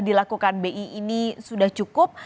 dilakukan bi ini sudah cukup